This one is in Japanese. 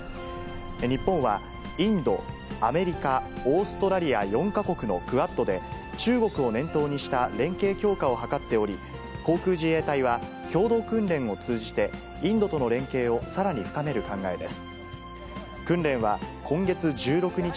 日本は、インド、アメリカ、オーストラリア４か国のクアッドで、中国を念頭にした連携強化を図っており、航空自衛隊は、共同訓練を通じて、インドとの連携をさらに深める考えです。